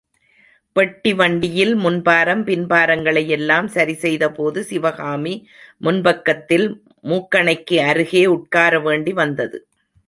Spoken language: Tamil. பெட்டி வண்டியில் முன் பாரம், பின் பாரங்களையெல்லாம் சரி செய்தபோது, சிவகாமி முன்பக்கத்தில் மூக்கணைக்கு அருகே உட்காரவேண்டி வந்தது.